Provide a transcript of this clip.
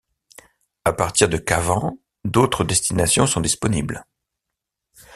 À partir de Cavan, d'autres destinations sont disponibles.